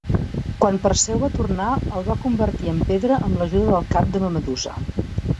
Quan Perseu va tornar el va convertir en pedra amb l'ajuda del cap de Medusa.